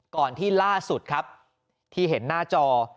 ก่อนที่ล่าสุดครับที่เห็นหน้าจอ